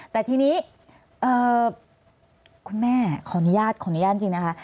แต่ทีนี้คุณแม่ขออนุญาตขออนุญาตจริงนะคะ